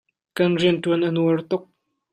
Kan riantuan a nuar tuk.